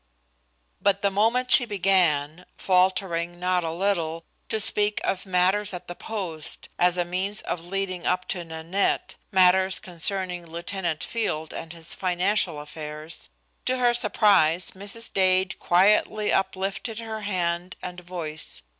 But the moment she began, faltering not a little, to speak of matters at the post, as a means of leading up to Nanette matters concerning Lieutenant Field and his financial affairs, to her surprise Mrs. Dade gently uplifted her hand and voice.